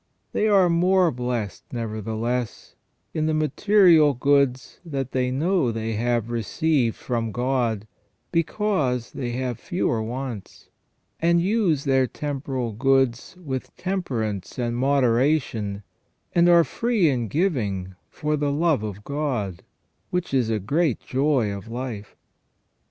They are more blessed, nevertheless, in the material goods that they know they have received from God, because they have fewer wants, and use their temporal goods with temperance and moderation, and are free in giving for the love of God, which is a great joy of life.